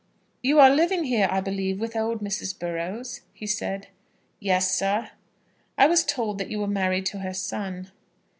"You are living here, I believe, with old Mrs. Burrows?" he said. "Yes, sir." "I was told that you were married to her son."